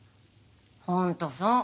ホントそう。